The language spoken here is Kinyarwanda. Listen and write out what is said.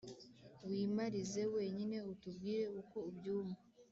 wimarize wenyine utubwire uko ubyumva